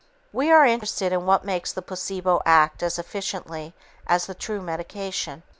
We are interested in what makes the placebo act as effectively as the true medication.